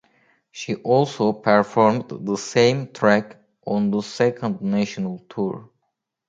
She also performed the same track on the second national tour.